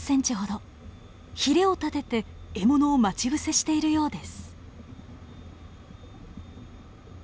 ヒレを立てて獲物を待ち伏せしているようです。